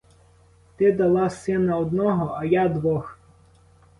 Ти дала сина одного, а я двох.